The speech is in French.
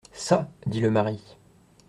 Ça ! dit le mari.